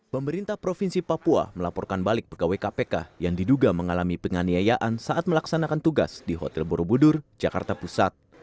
pemerintah provinsi papua melaporkan balik pegawai kpk yang diduga mengalami penganiayaan saat melaksanakan tugas di hotel borobudur jakarta pusat